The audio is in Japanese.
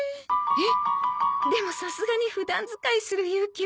えっでもさすがに普段使いする勇気はなくて。